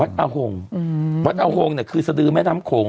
อาหงวัดอาหงเนี่ยคือสดือแม่น้ำโขง